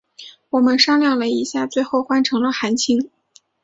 我们商量了一下最后就换成了韩青。